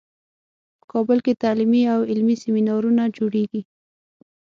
په کابل کې تعلیمي او علمي سیمینارونو جوړیږي